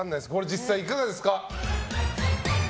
実際いかがですか？